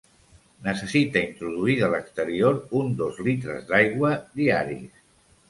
Necessita introduir de l'exterior uns dos litres d'aigua diaris.